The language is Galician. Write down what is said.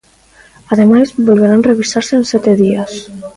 Ademais, volverán revisarse en sete días.